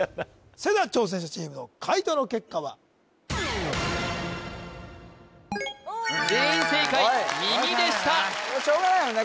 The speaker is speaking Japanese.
それでは挑戦者チームの解答の結果は全員正解耳でしたしょうがないよね